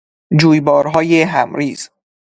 جویبارهای همریز